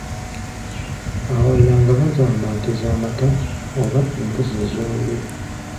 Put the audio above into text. Awalala nga bagaba nte z’amata oba embuzi ez'olulyo.